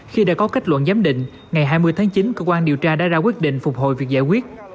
khi đã có kết luận giám định ngày hai mươi tháng chín cơ quan điều tra đã ra quyết định phục hồi việc giải quyết